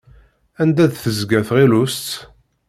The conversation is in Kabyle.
Anda d-tezga tɣilust?